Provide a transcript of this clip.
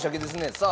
さあ。